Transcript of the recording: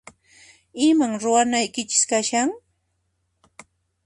Iman ruwanaykichis kashan?